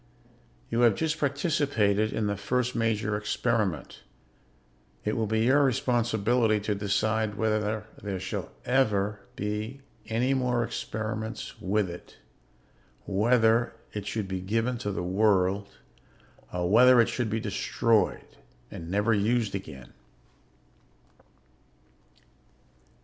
"You have just participated in the first major experiment. It will be your responsibility to decide whether there shall ever be any more experiments with it, whether it should be given to the world, or whether it should be destroyed and never used again."